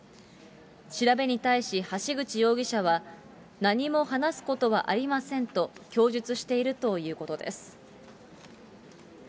調べに対し橋口容疑者は、何も話すことはありませんと供述しているということです。